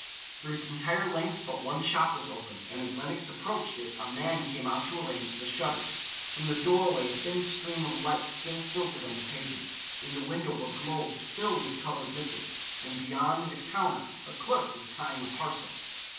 Through its entire length but one shop was open, and as Lenox approached it a man came out to arrange the shutters. From the doorway a thin stream of light still filtered on the pavement. In the window were globes filled with colored liquids, and beyond at a counter a clerk was tying a parcel.